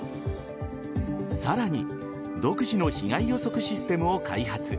さらに独自の被害予測システムを開発。